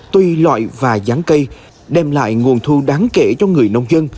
tuy loại và dán cây đem lại nguồn thu đáng kể cho người nông dân